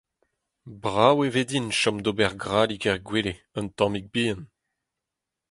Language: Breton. Brav e vez din chom d’ober grallig er gwele, un tammig bihan.